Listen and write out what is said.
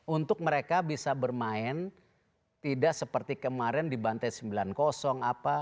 untuk mereka bisa bermain tidak seperti kemarin di bantai sembilan puluh apa